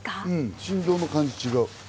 振動の感じが違う！